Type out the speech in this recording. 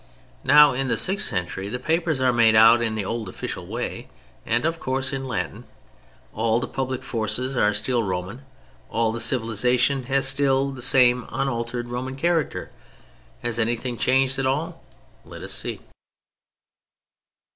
Now, in the sixth century, the papers are made out in the old official way and (of course) in Latin, all the public forces are still Roman, all the civilization has still the same unaltered Roman character; has anything changed at all? Let us see.